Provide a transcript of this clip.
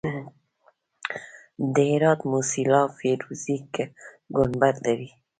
د هرات موسیلا فیروزي ګنبد لري